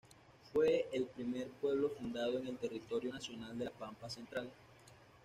Fue el primer pueblo fundado en el Territorio Nacional de La Pampa Central.